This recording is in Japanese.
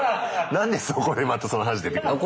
何でそこでまたその話出てくるんだよ。